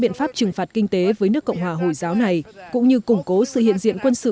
biện pháp trừng phạt kinh tế với nước cộng hòa hồi giáo này cũng như củng cố sự hiện diện quân sự